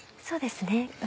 そうですね。